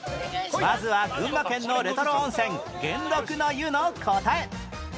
まずは群馬県のレトロ温泉元禄の湯の答え